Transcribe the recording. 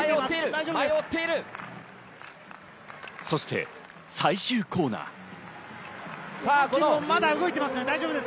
そして最終コーナー。